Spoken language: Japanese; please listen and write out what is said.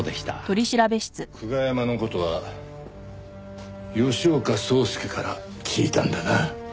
久我山の事は吉岡壮介から聞いたんだな？